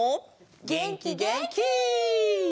げんきげんき！